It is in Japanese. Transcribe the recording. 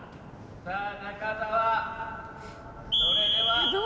さぁ中澤それでは。